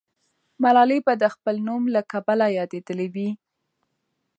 ملالۍ به د خپل نوم له کبله یادېدلې وي.